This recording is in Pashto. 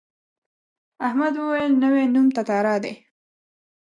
احمد وویل نوی نوم تتارا دی.